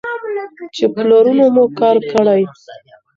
چې پلرونو مو کار کړی.